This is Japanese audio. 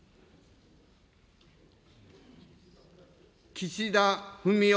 岸田文雄